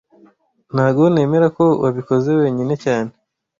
Ntago nemera ko wabikoze wenyine cyane